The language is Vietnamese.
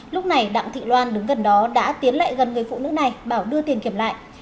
lúc này đặng thị loan đứng gần đó đã tiến lại gần người phụ nữ này bảo đưa tiền kiểm lại